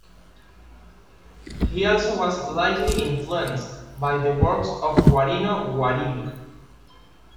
He also was likely influenced by the works of Guarino Guarini.